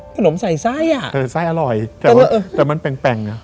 ขนมใส่ไส้อ่ะไส้อร่อยแต่ว่าแต่มันแปลงแปลงอ่ะ